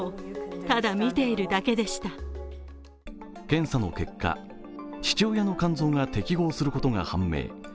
検査の結果、父親の肝臓が適合することが判明。